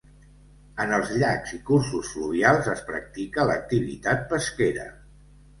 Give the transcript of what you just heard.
En els llacs i cursos fluvials es practica l'activitat pesquera.